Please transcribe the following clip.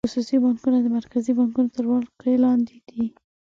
خصوصي بانکونه د مرکزي بانک تر ولکې لاندې دي.